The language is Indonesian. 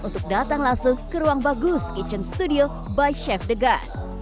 untuk datang langsung ke ruang bagus kitchen studio by chef degan